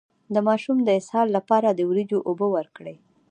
د ماشوم د اسهال لپاره د وریجو اوبه ورکړئ